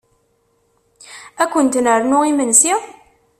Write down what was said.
Ad kunt-nernu imensi?